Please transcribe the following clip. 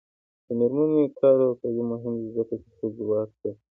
د میرمنو کار او تعلیم مهم دی ځکه چې ښځو واک زیاتوي.